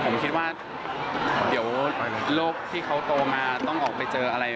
ผมคิดว่าเดี๋ยวโรคที่เขาโตมาต้องออกไปเจออะไร